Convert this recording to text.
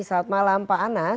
selamat malam pak anas